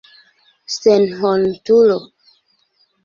Senhontulo!